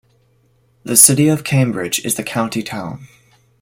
The city of Cambridge is the county town.